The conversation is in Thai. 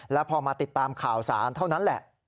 แล้วพอมาติดตามข่าวสารเท่านั้นแหละ